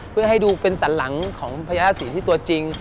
เพื่อให้ดูเป็นสันหลังของพญาศรีที่ตัวจริง